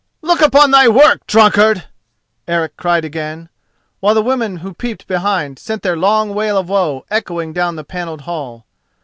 "Look upon thy work, drunkard!" Eric cried again, while the women who peeped behind sent their long wail of woe echoing down the panelled hall.